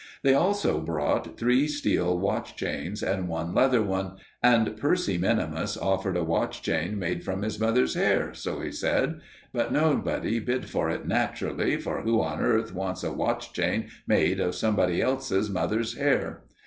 They also brought three steel watch chains and one leather one; and Percy Minimus offered a watch chain made from his mother's hair, so he said; but nobody bid for it, naturally, for who on earth wants a watch chain made out of somebody else's mother's hair?